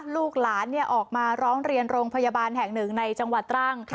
ลูกหลานออกมาร้องเรียนโรงพยาบาลแห่งหนึ่งในจังหวัดตรัง